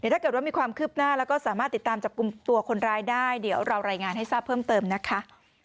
ถ้าเกิดว่ามีความคืบหน้าแล้วก็สามารถติดตามจับกลุ่มตัวคนร้ายได้เดี๋ยวเรารายงานให้ทราบเพิ่มเติมนะคะ